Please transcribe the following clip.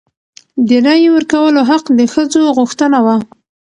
د رایې ورکولو حق د ښځو غوښتنه وه.